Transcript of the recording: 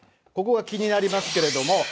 ここは気になりますけれども。